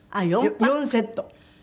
４セット。